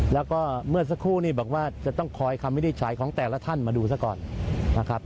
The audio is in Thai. แล้วก็เมื่อสักครู่นี่บอกว่าจะต้องคอยคำวินิจฉัยของแต่ละท่านมาดูซะก่อนนะครับ